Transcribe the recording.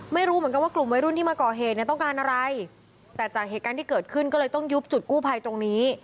ไม่รู้เหมือนกันว่ากลุ่มวัยรุ่นที่มาก่อเหตุเนี่ยต้องการอะไรแต่จากเหตุการณ์ที่เกิดขึ้นก็เลยต้องยุบจุดกู้ภัยตรงนี้